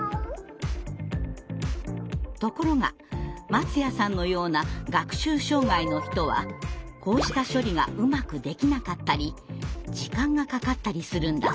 ところが松谷さんのような学習障害の人はこうした処理がうまくできなかったり時間がかかったりするんだそうです。